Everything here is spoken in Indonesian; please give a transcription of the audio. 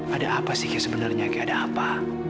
ada apa sih gia sebenarnya gia ada apa